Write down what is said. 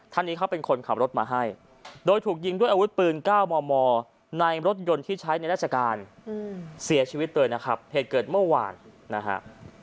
ท่านนี้เขาเป็นคนขับรถมาให้โดยถูกยิงด้วยอาวุธปืน๙มมในรถยนต์ที่ใช้ในราชการเสียชีวิตเลยนะครับเหตุเกิดเมื่อวานนะฮะ